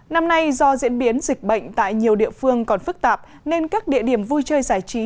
năm nay do diễn biến dịch bệnh tại nhiều địa phương còn phức tạp nên các địa điểm vui chơi giải trí